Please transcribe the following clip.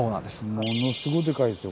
ものすごいでかいですよ。